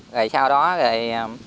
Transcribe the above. rồi sau đó thì